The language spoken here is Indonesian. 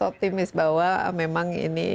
optimist bahwa memang ini